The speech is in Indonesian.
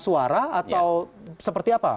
suara atau seperti apa